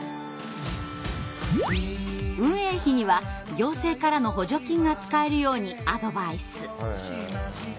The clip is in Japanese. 運営費には行政からの補助金が使えるようにアドバイス。